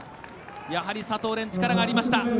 やはり、佐藤蓮、力がありました。